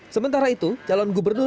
sementara itu calon gubernur